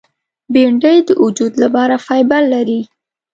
بېنډۍ د وجود لپاره فایبر لري